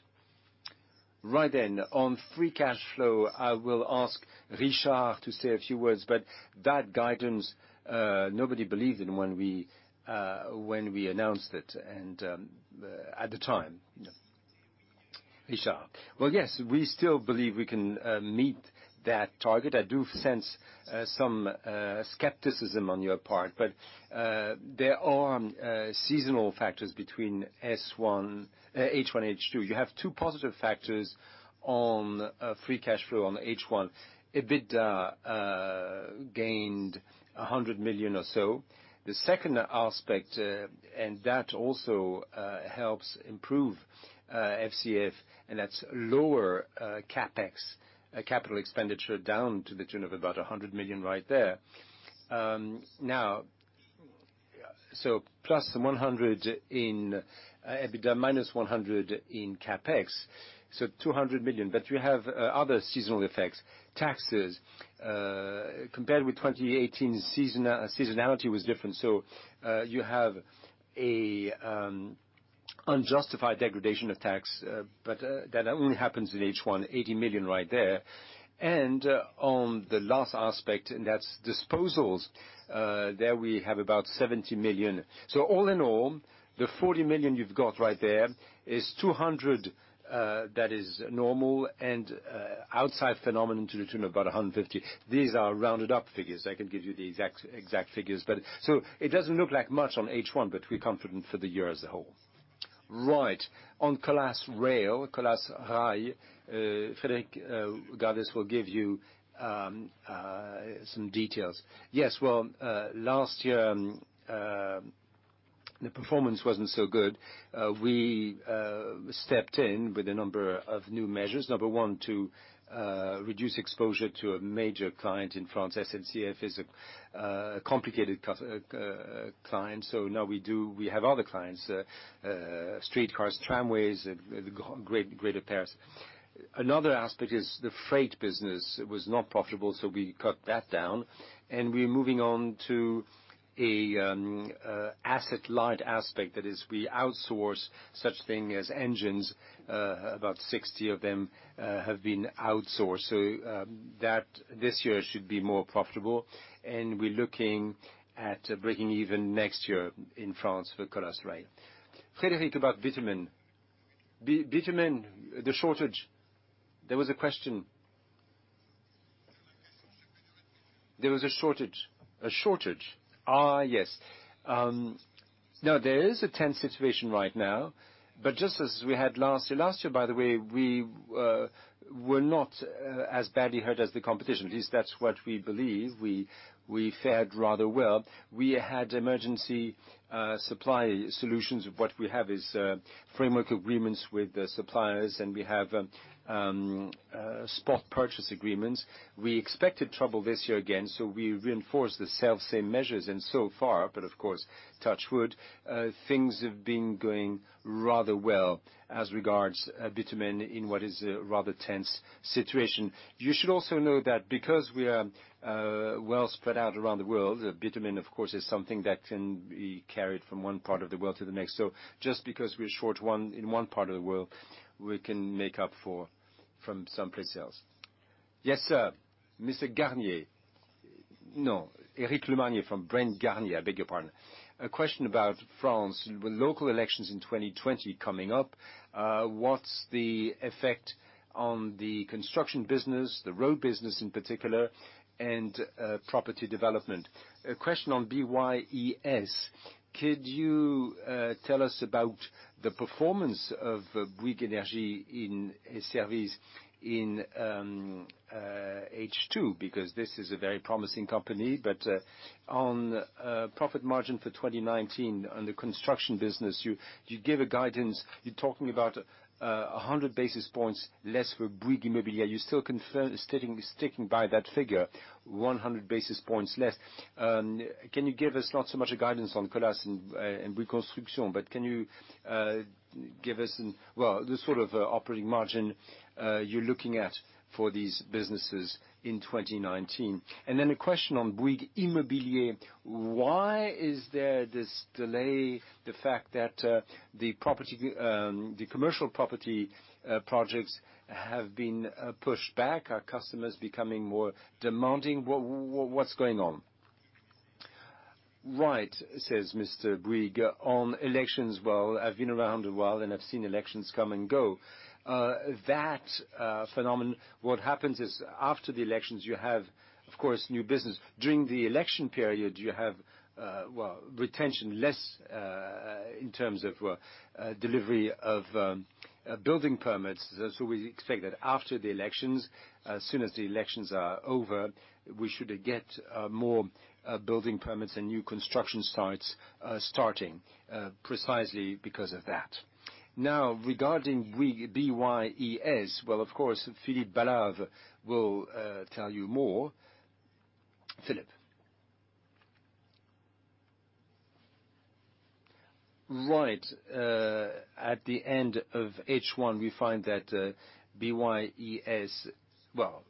Right then, on free cash flow, I will ask Richard to say a few words, but that guidance, nobody believed in when we announced it at the time. Richard. Well, yes, we still believe we can meet that target. I do sense some skepticism on your part, but there are seasonal factors between H1 and H2. You have two positive factors on free cash flow on H1. EBITDA gained 100 million or so. The second aspect, that also helps improve FCF, that is lower CapEx, capital expenditure, down to the tune of about 100 million right there. Plus the 100 in EBITDA, minus 100 in CapEx, 200 million. We have other seasonal effects. Taxes. Compared with 2018, seasonality was different. You have an unjustified degradation of tax, that only happens in H1, 80 million right there. On the last aspect, that is disposals. There we have about 70 million. All in all, the 40 million you have got right there is 200 that is normal, outside phenomenon to the tune of about 150. These are rounded up figures. I can give you the exact figures. It does not look like much on H1, we are confident for the year as a whole. Right. On Colas Rail, Frédéric Gardès will give you some details. Yes. Well, last year, the performance wasn't so good. We stepped in with a number of new measures. Number one, to reduce exposure to a major client in France. SNCF is a complicated client. Now we have other clients, street cars, tramways at Greater Paris. Another aspect is the freight business was not profitable, we cut that down, we're moving on to an asset-light aspect. That is, we outsource such thing as engines, about 60 of them have been outsourced. This year should be more profitable, we're looking at breaking even next year in France for Colas Rail. Frédéric, about bitumen. Bitumen, the shortage. There was a question. There was a shortage. A shortage? Yes. No, there is a tense situation right now, just as we had last year. Last year, by the way, we were not as badly hurt as the competition. At least that's what we believe. We fared rather well. We had emergency supply solutions. What we have is framework agreements with suppliers, and we have spot purchase agreements. We expected trouble this year again. We reinforced the self-same measures. So far, but of course, touch wood, things have been going rather well as regards bitumen in what is a rather tense situation. You should also know that because we are well spread out around the world, bitumen, of course, is something that can be carried from one part of the world to the next. Just because we're short in one part of the world, we can make up for from someplace else. Yes, sir. Mr. Garnier. No. Eric Lemarié from Bryan Garnier. I beg your pardon. A question about France. With local elections in 2020 coming up, what's the effect on the construction business, the road business in particular, and property development? A question on BYES. Could you tell us about the performance of Bouygues Energies & Services in H2? This is a very promising company. On profit margin for 2019 on the construction business, you give a guidance. You're talking about 100 basis points less for Bouygues Immobilier. Are you still sticking by that figure, 100 basis points less? Can you give us not so much a guidance on Colas and Bouygues Construction, but can you give us the sort of operating margin you're looking at for these businesses in 2019? A question on Bouygues Immobilier. Why is there this delay, the fact that the commercial property projects have been pushed back? Are customers becoming more demanding? What's going on? Right, says Mr. Bouygues, on elections. Well, I've been around a while, and I've seen elections come and go. That phenomenon, what happens is after the elections, you have, of course, new business. During the election period, you have retention less in terms of delivery of building permits. We expect that after the elections, as soon as the elections are over, we should get more building permits and new construction sites starting precisely because of that. Regarding BYES, well, of course, Philippe Bonnave will tell you more. Philippe. Right. At the end of H1, we find that BYES, well,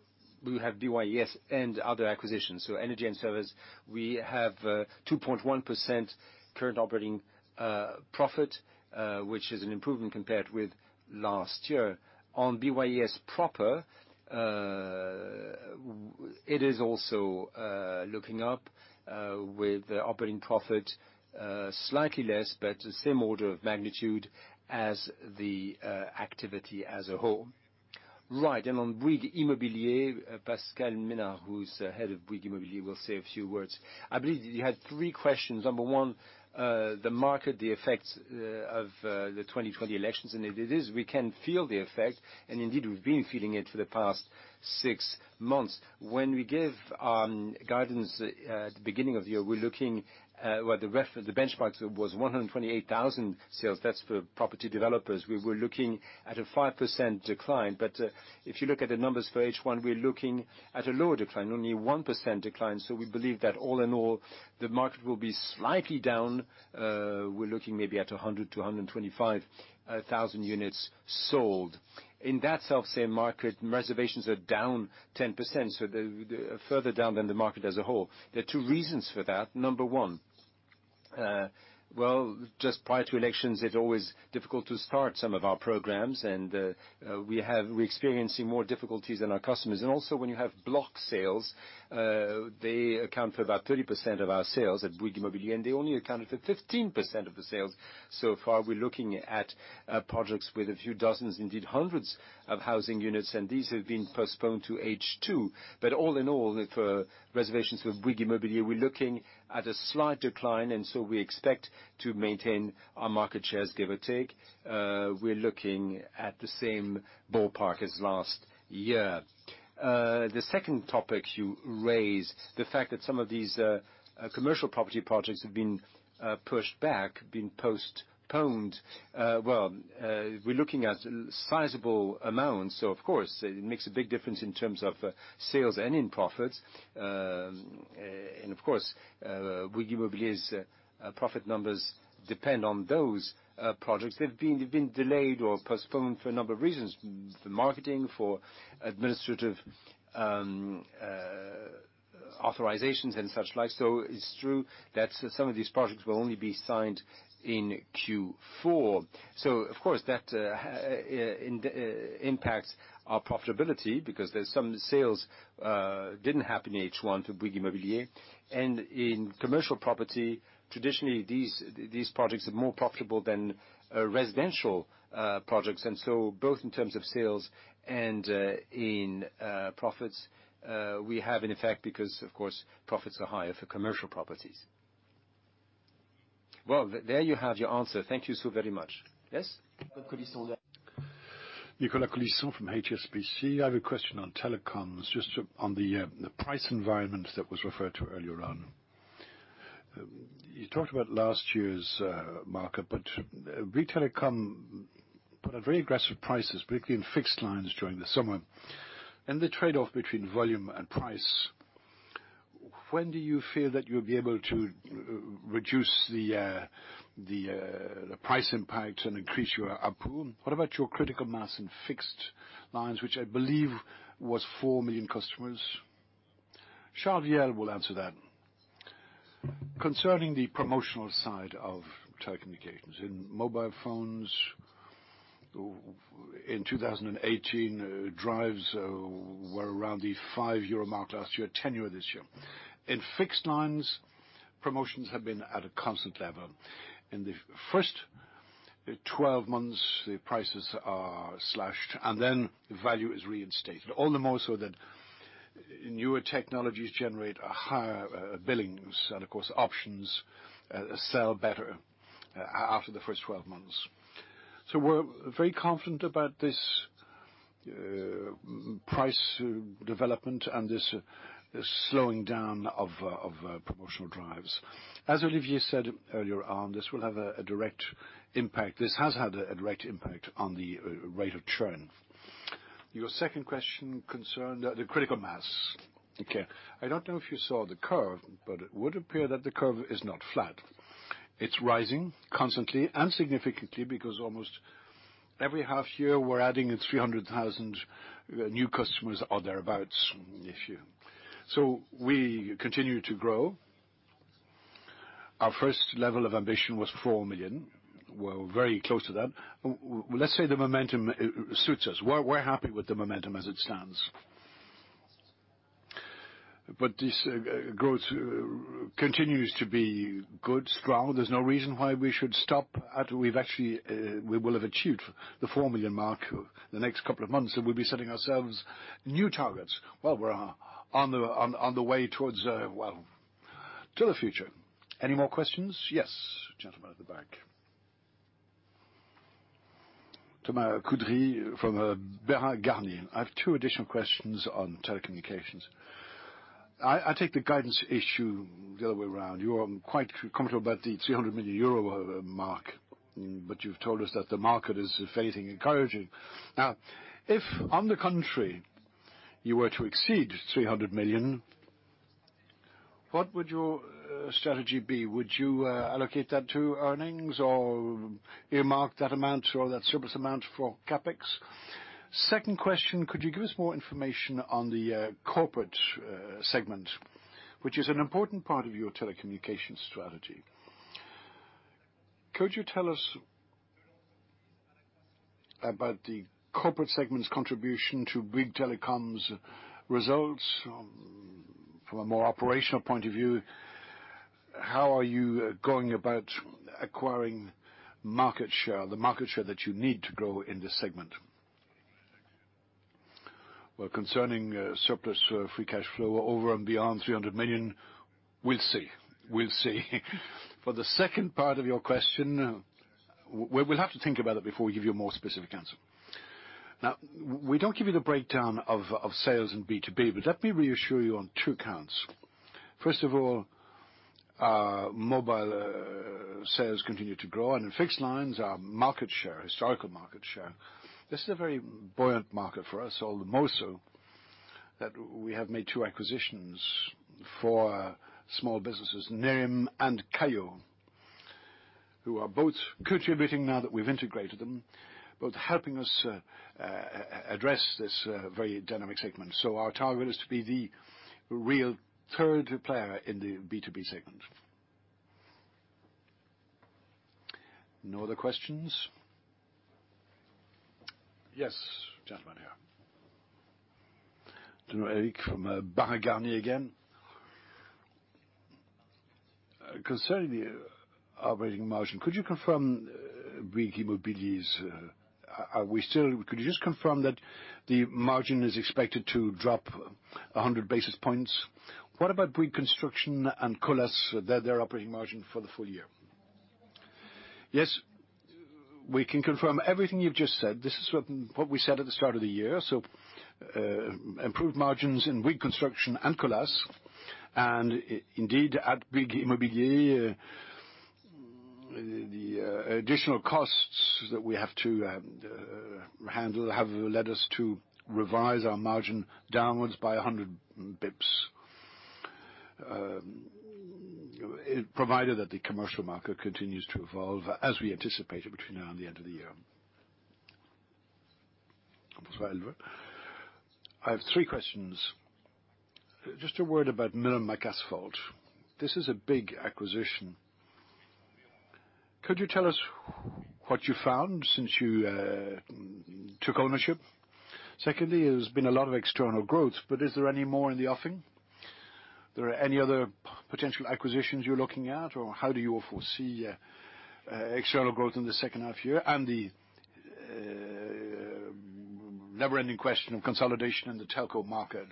we have BYES and other acquisitions, so energy and service. We have 2.1% current operating profit, which is an improvement compared with last year. On BYES proper, it is also looking up with operating profit slightly less, but the same order of magnitude as the activity as a whole. Right, on Bouygues Immobilier, Pascal Minault, who's Head of Bouygues Immobilier, will say a few words. I believe you had three questions. Number 1, the market, the effects of the 2020 elections, it is, we can feel the effect. Indeed, we've been feeling it for the past six months. When we give our guidance at the beginning of the year, the benchmark was 128,000 sales. That's for property developers. We were looking at a 5% decline. If you look at the numbers for H1, we're looking at a lower decline, only 1% decline. We believe that all in all, the market will be slightly down. We're looking maybe at 100,000-125,000 units sold. In that self-same market, reservations are down 10%, further down than the market as a whole. There are two reasons for that. Number one, well, just prior to elections, it's always difficult to start some of our programs. We're experiencing more difficulties than our customers. Also when you have block sales, they account for about 30% of our sales at Bouygues Immobilier, and they only accounted for 15% of the sales so far. We're looking at projects with a few dozens, indeed hundreds of housing units. These have been postponed to H2. All in all, for reservations for Bouygues Immobilier, we're looking at a slight decline, and so we expect to maintain our market shares, give or take. We're looking at the same ballpark as last year. The second topic you raised, the fact that some of these commercial property projects have been pushed back, been postponed. Well, we're looking at sizable amounts, so of course, it makes a big difference in terms of sales and in profits. Of course, Bouygues Immobilier's profit numbers depend on those projects. They've been delayed or postponed for a number of reasons, for marketing, for administrative authorizations, and such like. It's true that some of these projects will only be signed in Q4. Of course, that impacts our profitability because there's some sales didn't happen in H1 for Bouygues Immobilier. In commercial property, traditionally, these projects are more profitable than residential projects. Both in terms of sales and in profits, we have an effect because, of course, profits are higher for commercial properties. Well, there you have your answer. Thank you so very much. Yes? Nicolas Colisson from HSBC. I have a question on telecoms, just on the price environment that was referred to earlier on. You talked about last year's market, but retail telecom put out very aggressive prices, particularly in fixed lines during the summer. The trade-off between volume and price, when do you feel that you'll be able to reduce the price impact and increase your ARPU? What about your critical mass in fixed lines, which I believe was four million customers? Charles Yelle will answer that. Concerning the promotional side of telecommunications, in mobile phones, in 2018, drives were around the 5 euro mark last year, 10 euro this year. In fixed lines, promotions have been at a constant level. In the first 12 months, the prices are slashed, and then value is reinstated, all the more so that newer technologies generate higher billings, and of course, options sell better after the first 12 months. We're very confident about this price development and this slowing down of promotional drives. Olivier said earlier on, this will have a direct impact. This has had a direct impact on the rate of churn. Your second question concerned the critical mass. Okay. I don't know if you saw the curve, but it would appear that the curve is not flat. It's rising constantly and significantly because almost every half year, we're adding 300,000 new customers or thereabouts. We continue to grow. Our first level of ambition was 4 million. We're very close to that. Let's say the momentum suits us. We're happy with the momentum as it stands. This growth continues to be good, strong. There's no reason why we should stop. We will have achieved the 4 million mark the next couple of months, and we'll be setting ourselves new targets while we're on the way towards the future. Any more questions? Yes, gentleman at the back. Thomas Coudry from Bryan Garnier. I have two additional questions on telecommunications. I take the guidance issue the other way around. You are quite comfortable about the 300 million euro mark, you've told us that the market is facing encouraging. If on the contrary, you were to exceed 300 million, what would your strategy be? Would you allocate that to earnings, or earmark that amount or that surplus amount for CapEx? Second question, could you give us more information on the corporate segment, which is an important part of your telecommunications strategy. Could you tell us about the corporate segment's contribution to Bouygues Telecom's results from a more operational point of view? How are you going about acquiring the market share that you need to grow in this segment? Well, concerning surplus free cash flow over and beyond 300 million, we'll see. For the second part of your question, we'll have to think about it before we give you a more specific answer. We don't give you the breakdown of sales in B2B, but let me reassure you on two counts. First of all, mobile sales continue to grow and in fixed lines, our historical market share. This is a very buoyant market for us, all the more so that we have made two acquisitions for small businesses, Nerim and Keyyo, who are both contributing now that we've integrated them, both helping us address this very dynamic segment. Our target is to be the real third player in the B2B segment. No other questions? Yes, gentleman here. Eric from Bryan Garnier again. Concerning the operating margin, could you just confirm that the margin is expected to drop 100 basis points? What about Bouygues Construction and Colas, their operating margin for the full year? Yes. We can confirm everything you've just said. This is what we said at the start of the year. Improved margins in Bouygues Construction and Colas, and indeed, at Bouygues Immobilier, the additional costs that we have to handle have led us to revise our margin downwards by 100 basis points, provided that the commercial market continues to evolve as we anticipated between now and the end of the year. I have three questions. Just a word about Miller McAsphalt. Could you tell us what you found since you took ownership? Secondly, there's been a lot of external growth, is there any more in the offing? There are any other potential acquisitions you're looking at, how do you foresee external growth in the second half year, the never-ending question of consolidation in the telco market.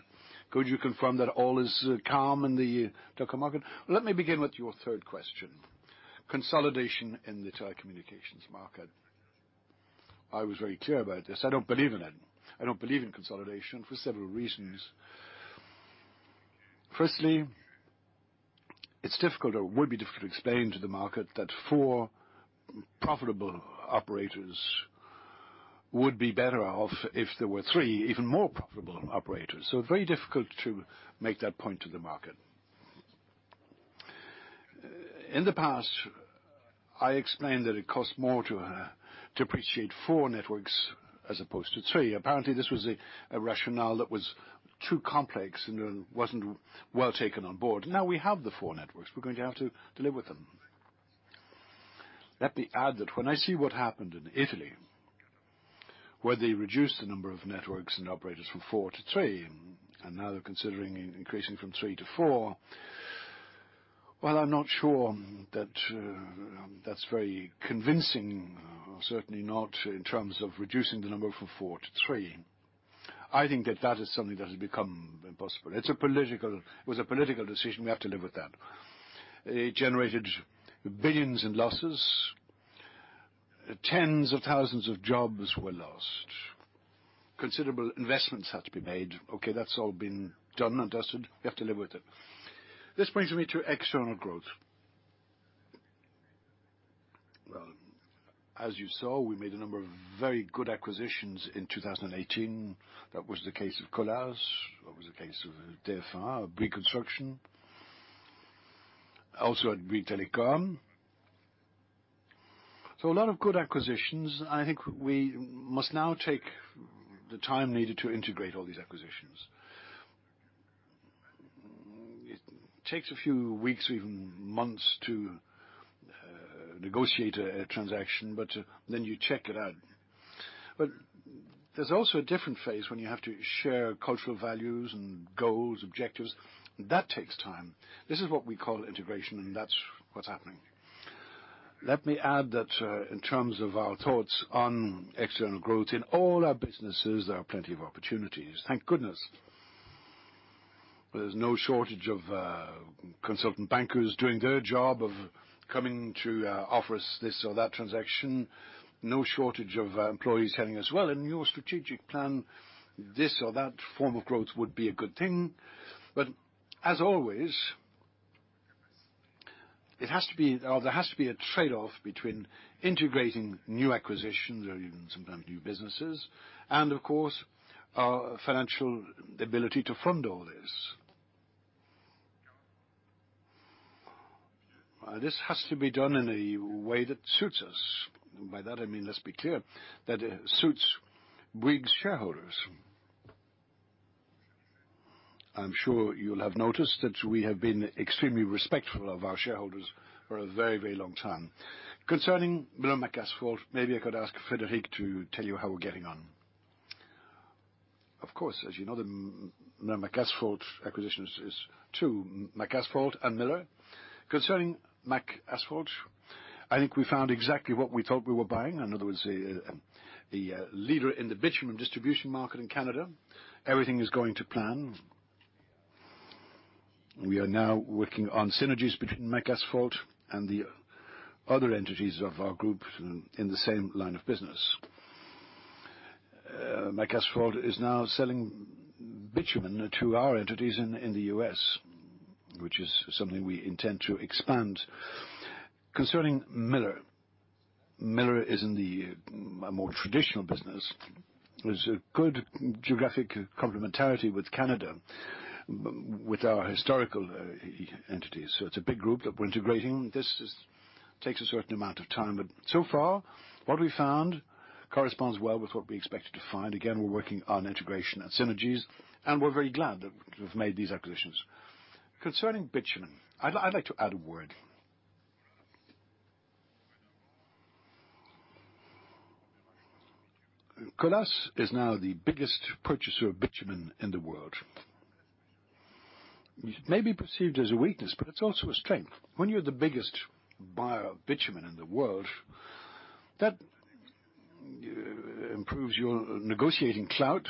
Could you confirm that all is calm in the telco market? Let me begin with your third question, consolidation in the telecommunications market. I was very clear about this. I don't believe in it. I don't believe in consolidation for several reasons. Firstly, it's difficult or would be difficult to explain to the market that four profitable operators would be better off if there were three even more profitable operators. Very difficult to make that point to the market. In the past, I explained that it costs more to depreciate four networks as opposed to three. Apparently, this was a rationale that was too complex and wasn't well taken on board. Now we have the four networks. We're going to have to live with them. Let me add that when I see what happened in Italy, where they reduced the number of networks and operators from four to three, and now they're considering increasing from three to four. Well, I'm not sure that's very convincing, or certainly not in terms of reducing the number from four to three. I think that that is something that has become impossible. It was a political decision. We have to live with that. It generated billions in losses. Tens of thousands of jobs were lost. Considerable investments had to be made. Okay, that's all been done and dusted. We have to live with it. This brings me to external growth. Well, as you saw, we made a number of very good acquisitions in 2018. That was the case of Colas. That was the case of DFR, Bouygues Construction. Also at Bouygues Telecom. A lot of good acquisitions. I think we must now take the time needed to integrate all these acquisitions. It takes a few weeks or even months to negotiate a transaction, but then you check it out. There's also a different phase when you have to share cultural values and goals, objectives. That takes time. This is what we call integration, and that's what's happening. Let me add that, in terms of our thoughts on external growth in all our businesses, there are plenty of opportunities. Thank goodness. There's no shortage of consultant bankers doing their job of coming to offer us this or that transaction. No shortage of employees telling us, "Well, in your strategic plan, this or that form of growth would be a good thing." As always, there has to be a trade-off between integrating new acquisitions or even sometimes new businesses and, of course, our financial ability to fund all this. This has to be done in a way that suits us. By that, I mean, let's be clear, that it suits Bouygues shareholders. I'm sure you'll have noticed that we have been extremely respectful of our shareholders for a very long time. Concerning Miller McAsphalt, maybe I could ask Frédéric to tell you how we're getting on. Of course, as you know, the Miller McAsphalt acquisition is two, McAsphalt and Miller. Concerning McAsphalt, I think we found exactly what we thought we were buying. In other words, the leader in the bitumen distribution market in Canada. Everything is going to plan. We are now working on synergies between McAsphalt and the other entities of our group in the same line of business. McAsphalt is now selling bitumen to our entities in the U.S., which is something we intend to expand. Concerning Miller. Miller is in the more traditional business. There's a good geographic complementarity with Canada, with our historical entities. So it's a big group that we're integrating. This takes a certain amount of time, but so far what we found corresponds well with what we expected to find. Again, we're working on integration and synergies, and we're very glad that we've made these acquisitions. Concerning bitumen, I'd like to add a word. Colas is now the biggest purchaser of bitumen in the world, which may be perceived as a weakness, it's also a strength. When you're the biggest buyer of bitumen in the world, that improves your negotiating clout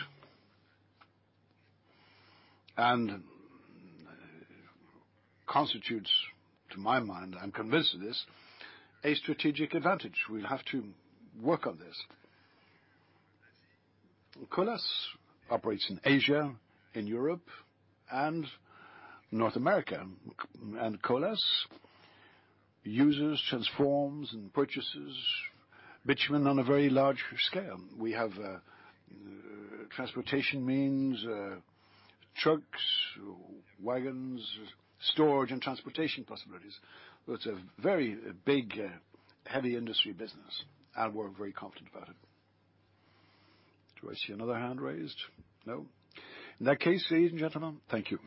and constitutes, to my mind, I'm convinced of this, a strategic advantage. We'll have to work on this. Colas operates in Asia, in Europe, and North America. Colas uses, transforms, and purchases bitumen on a very large scale. We have transportation means, trucks, wagons, storage and transportation possibilities. It's a very big, heavy industry business, and we're very confident about it. Do I see another hand raised? No. In that case, ladies and gentlemen, thank you.